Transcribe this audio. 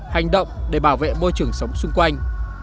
hành động để bảo vệ môi trường sống xung quanh